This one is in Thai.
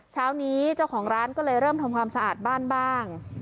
เช้านี้เจ้าของร้านก็เลยเริ่มทำความสะอาดบ้านบ้าง